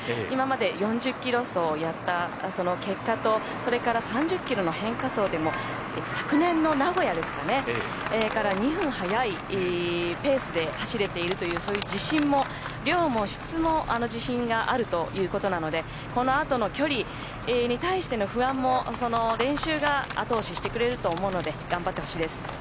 今まで４０キロ走やったその結果とそれから３０キロの変化走でも昨年の名古屋から２分速いペースで走れているというそういう自信も量も質も自信があるということなのでこのあとの距離に対しての不安もその練習が後押ししてくれると思うので頑張ってほしいです。